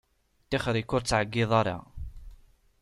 Tixeṛ-ik ur ttɛeyyiḍ ara.